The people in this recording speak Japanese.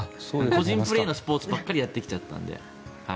個人プレーのスポーツばっかりやってきちゃったんで。